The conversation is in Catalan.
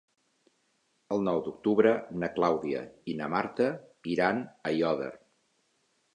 El nou d'octubre na Clàudia i na Marta iran a Aiòder.